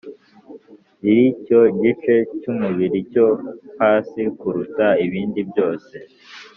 ri cyo gice cy’umubiri cyo hasi kuruta ibindibyose